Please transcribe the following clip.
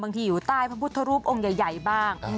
อยู่ใต้พระพุทธรูปองค์ใหญ่บ้าง